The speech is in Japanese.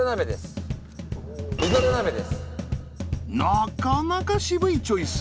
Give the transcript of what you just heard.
なかなか渋いチョイス。